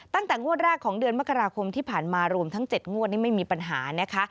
ตั้งแต่งวดแรกของเดือนมกราคมที่ผ่านมารวมทั้ง๗งวดนี่ไม่มีปัญหานะคะ